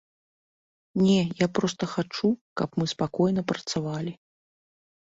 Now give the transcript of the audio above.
Не, я проста хачу, каб мы спакойна працавалі.